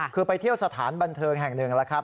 คือไปเที่ยวสถานบันเทิงแห่งหนึ่งแล้วครับ